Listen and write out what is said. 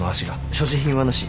所持品はなし。